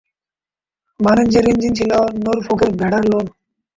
বাণিজ্যের ইঞ্জিন ছিল নরফোকের ভেড়ার লোম।